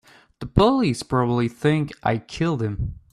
The police probably think I killed him.